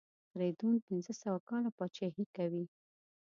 فریدون پنځه سوه کاله پاچهي کوي.